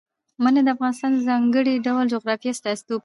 منی د افغانستان د ځانګړي ډول جغرافیه استازیتوب کوي.